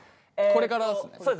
これからですね。